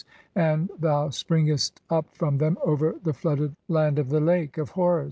"thou springest up from them over the flooded land of the Lake "of Horus.